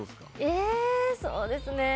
えっそうですね